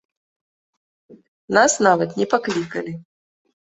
Нас нават не паклікалі.